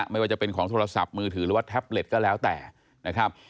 ไม่ว่าจะเป็นของโทรศัพท์มือถือหรือว่าแท็บเล็ตก็แล้วแต่นะครับ